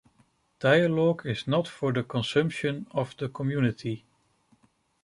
Dialogue is not for the consumption of the community.